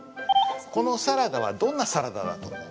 このサラダはどんなサラダだと思う？